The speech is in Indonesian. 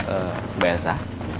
eh mbak elsa